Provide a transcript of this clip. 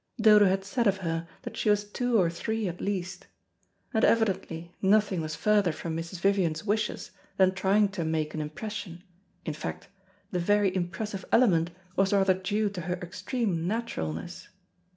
Dodo had said of her that she was two or three at least. And evidently nothing was further from Mrs. Vivian's wishes than trying to make an impression, in fact, the very impressive element was rather due to her extreme naturalness.